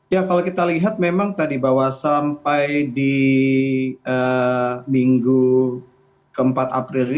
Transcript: ya kalau kita lihat memang tadi bahwa sampai di minggu keempat april ini